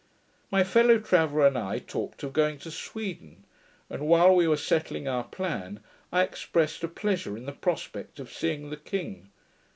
My fellow traveller and I talked of going to Sweden; and, while we were settling our plan, I expressed a pleasure in the prospect of seeing the king.